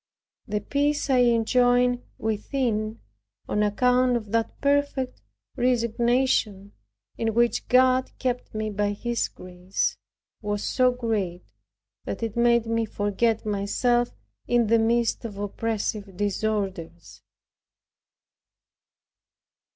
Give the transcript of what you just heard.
The peace I enjoyed within, on account of that perfect resignation, in which God kept me by His grace, was so great, that it made me forget myself, in the midst of oppressive disorders.